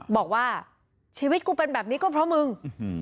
บอกว่าชีวิตกูเป็นแบบนี้ก็เพราะมึง